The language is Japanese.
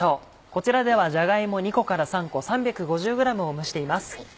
こちらではじゃが芋２個から３個３５０ｇを蒸しています。